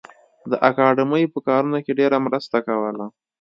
د اکاډمۍ په کارونو کې ډېره مرسته کوله